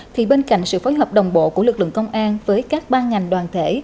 thì bên cạnh sự phối hợp đồng bộ của lực lượng công an với các ban ngành đoàn thể